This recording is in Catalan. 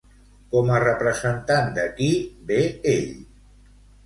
Com a representant de qui ve ell?